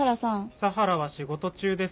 久原は仕事中です。